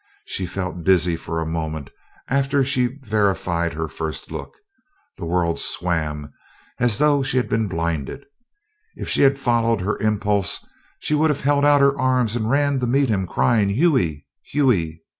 She felt dizzy for a moment after she verified her first look the world swam, as though she had been blinded. If she had followed her impulse, she would have held out her arms and ran to meet him crying, "Hughie! Hughie!"